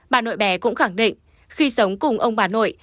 bà nội bè cũng khẳng định khi sống cùng ông bà nội